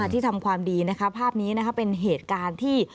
ที่ทำความดีนะคะภาพนี้นะคะเป็นเหตุการณ์ที่